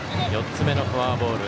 ４つ目のフォアボール。